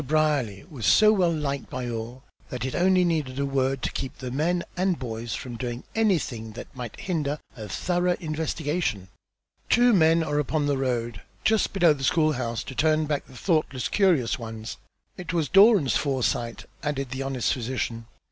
Brierly was so well liked by all that it only needed a word to keep the men and boys from doing anything that might hinder a thorough investigation. Two men are upon the road just below the school house to turn back the thoughtless curious ones. It was Doran's foresight," added the honest physician.